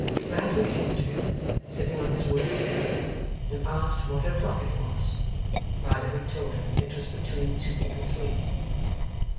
Bradley came to him, sitting on his wooden lever, and asked what o'clock it was? Riderhood told him it was between two and three.